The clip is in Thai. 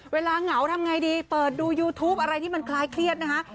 เหงาทำไงดีเปิดดูยูทูปอะไรที่มันคล้ายเครียดนะคะ